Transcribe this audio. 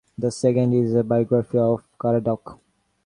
The second is a biography of Caradoc.